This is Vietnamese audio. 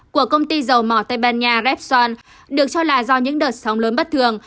của công ty dầu mỏ tây ban nha rebshan được cho là do những đợt sóng lớn bất thường